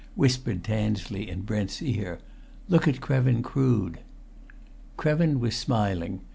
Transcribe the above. whispered Tansley in Brent's ear. "Look at Krevin Crood!" Krevin was smiling.